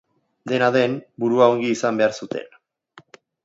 Dena den, burua ongi izan behar zuten.